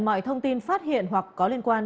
mọi thông tin phát hiện hoặc có liên quan